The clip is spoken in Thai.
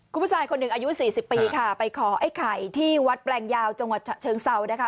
คุณผู้ชายคนหนึ่งอายุสี่สิบปีค่ะไปขอไอ้ไข่ที่วัดแปลงยาวจังหวัดฉะเชิงเซานะคะ